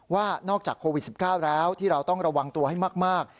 ว่านอกจากโควิด๑๙แล้วที่เราต้องระวังตัวให้มาก